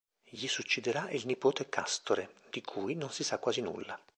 Gli succederà il nipote Castore, di cui non si sa quasi nulla.